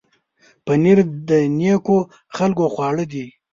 پنېر د نېکو خلکو خواړه دي.